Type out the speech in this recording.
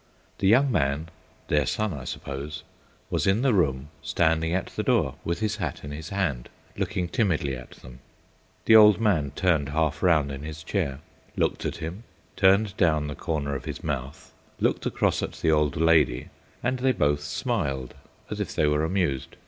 The young man, their son, I suppose, was in the room standing at the door with his hat in his hand, looking timidly at them. The old man turned half round in his chair, looked at him, turned down the corners of his mouth, looked across at the old lady, and they both smiled as if they were amused.